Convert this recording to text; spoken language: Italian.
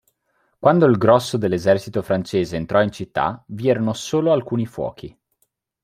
Quando il grosso dell'esercito francese entrò in città, vi erano solo alcuni fuochi.